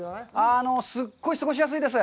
すごい過ごしやすいです。